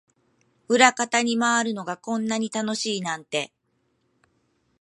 裏方に回るのがこんなに楽しいなんて